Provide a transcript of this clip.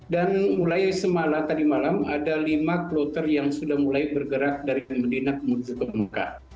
dan mulai semalam tadi malam ada lima kloter yang sudah mulai bergerak dari medina kemudian ke muka